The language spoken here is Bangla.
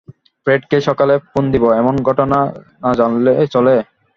ফ্রেড কে সকালে ফোন দিব, এমন ঘটনা না জানালে চলে!